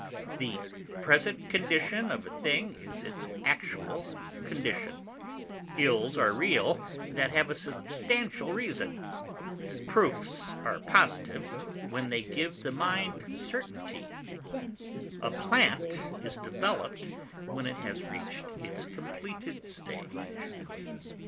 The present condition of a thing is its actual condition; ills are real that have a substantial reason; proofs are positive when they give the mind certainty; a plant is developed when it has reached its completed stage.